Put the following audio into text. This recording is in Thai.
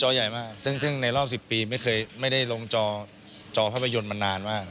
จอใหญ่มากซึ่งในรอบ๑๐ปีไม่ได้ลงจอภาพยนตร์มานานว่าง